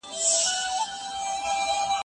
هر تاوان یوه نوې تجربه ده.